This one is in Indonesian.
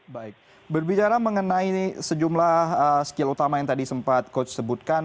baik berbicara mengenai sejumlah skill utama yang tadi sempat coach sebutkan